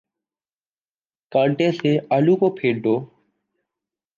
کانٹے سے آلووں کو پھینٹو